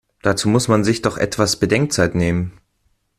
Dazu muss man sich doch etwas Bedenkzeit nehmen!